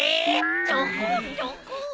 チョコチョコ。